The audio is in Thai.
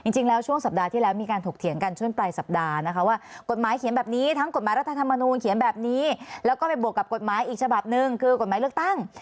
จริงแล้วช่วงสัปดาห์ที่แล้วมีการถกเถียงกันช่วงปลายสัปดาห์นะคะว่ากฎหมายเขียนแบบนี้ทั้งกฎหมายรัฐธรรมนูลเขียนแบบนี้แล้วก็ไปบวกกับกฎหมายอีกฉบับหนึ่งคือกฎหมายเลือกตั้ง